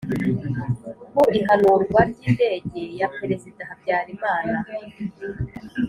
ku ihanurwa ry'indege ya perezida habyarimana;